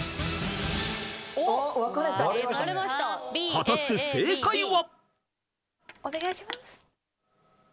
［果たして正解は？］